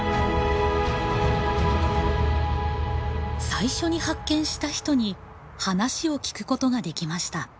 最初に発見した人に話を聞くことができました。